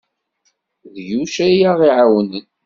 D Yuc ay aɣ-iɛawnen.